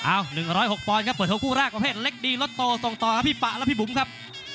๑๐๖ปอนด์ครับเปิดหัวคู่แรกประเภทเล็กดีรถโตส่งต่อกับพี่ปะและพี่บุ๋มครับ